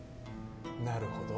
なるほど。